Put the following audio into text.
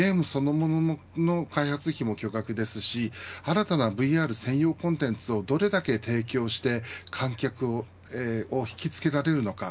ゲームそのものの開発費も巨額ですし新たなＶＲ専用コンテンツをどれだけ提供して観客を引きつけられるのか。